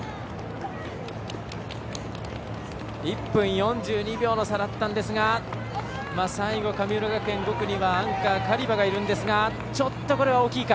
１分４２秒の差だったんですが最後、神村学園、５区にはアンカー、カリバがいるんですがちょっと、これは大きいか。